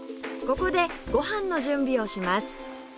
ここでご飯の準備をします